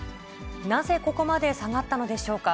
なぜここまで下がったのでしょうか。